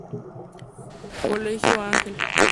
Colegio Ángel.